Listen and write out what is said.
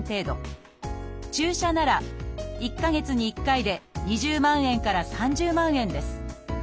注射なら１か月に１回で２０万円から３０万円です。